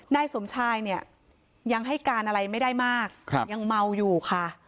นายสมชายเนี่ยยังให้การอะไรไม่ได้มากยังเมาอยู่ค่ะ